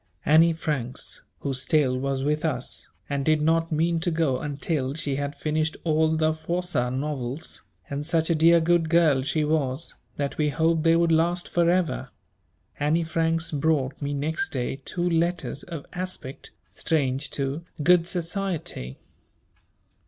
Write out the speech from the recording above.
Annie Franks, who still was with us, and did not mean to go until she had finished all the Froissart novels, and such a dear good girl she was, that we hoped they would last for ever, Annie Franks brought me next day two letters of aspect strange to "good society."